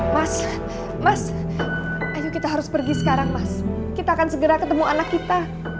mas mas ayo kita harus pergi sekarang mas kita akan segera ketemu anak kita